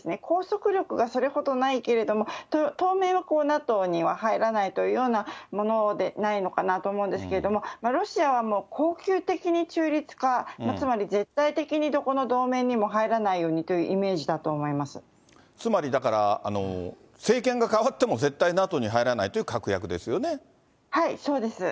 拘束力がそれほどないけれども、当面、ＮＡＴＯには入らないというようなものでないのかなと思うんですけれども、ロシアは恒久的に中立化、つまり絶対的にどこの同盟にも入らないようにというイメージだとつまりだから、政権がかわっても絶対ＮＡＴＯに入らないという確約ですよね。